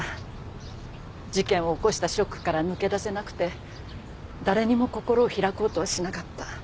事件を起こしたショックから抜け出せなくて誰にも心を開こうとはしなかった。